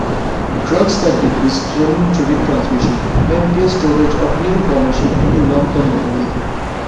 Drugs that decrease cholinergic transmission may impair storage of new information into long-term memory.